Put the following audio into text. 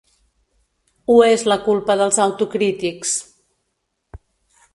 Ho és la culpa dels autocrítics.